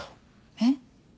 えっ？